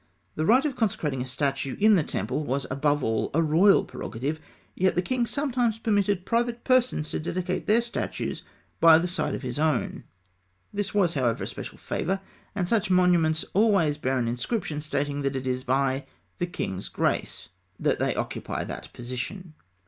The right of consecrating a statue in the temple was above all a royal prerogative; yet the king sometimes permitted private persons to dedicate their statues by the side of his own. This was, however, a special favour, and such monuments always bear an inscription stating that it is "by the king's grace" that they occupy that position.